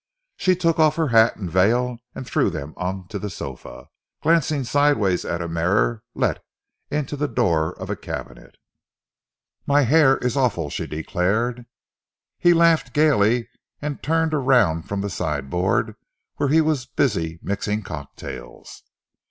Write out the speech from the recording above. She took off her hat and veil and threw them on to the sofa, glancing sideways at a mirror let into the door of a cabinet. "My hair is awful," she declared: He laughed gaily, and turned around from the sideboard, where he was busy mixing cocktails.